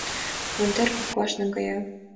Вондер коклаш наҥгая.